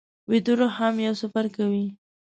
ویده روح هم یو سفر کوي